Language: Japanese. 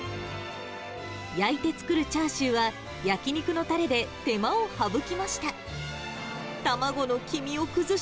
焼いて作るチャーシューは、焼き肉のたれで手間を省きました。